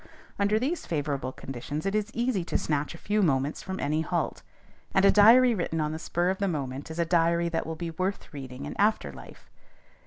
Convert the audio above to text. Under these favorable conditions it is easy to snatch a few moments from any halt; and a diary written on the spur of the moment is a diary that will be worth reading in after life.